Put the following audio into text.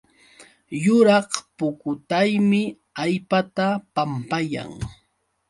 Yuraq pukutaymi allpata pampayan